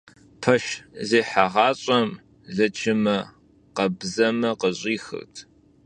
Пэш зехьагъащӏэм лэчымэ, къабзэмэ къыщӏихырт.